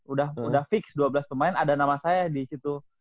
udah udah fix dua belas pemain ada nama saya disitu